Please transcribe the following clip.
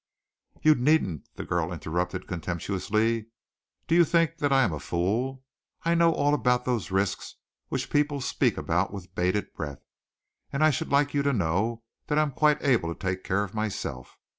"You needn't," the girl interrupted contemptuously. "Do you think that I am a fool? I know all about those risks which people speak about with bated breath, and I should like you to know that I am quite able to take care of myself.